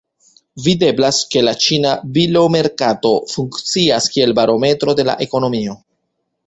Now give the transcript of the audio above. Videblas ke la ĉina bilomerkato funkcias kiel barometro de la ekonomio.